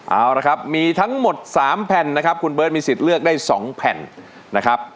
เอาละครับมีทั้งหมด๓แผ่นนะครับคุณเบิร์ตมีสิทธิ์เลือกได้๒แผ่นนะครับ